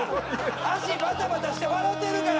足バタバタして笑てるから！